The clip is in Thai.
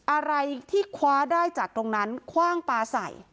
อะไรที่คว้าได้จากตรงนั้นคว่างปลาใส่